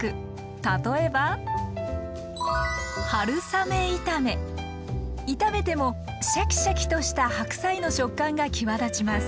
例えば。炒めてもシャキシャキとした白菜の食感が際立ちます。